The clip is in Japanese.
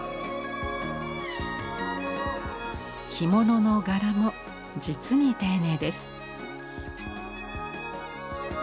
着物の柄も実に丁寧です。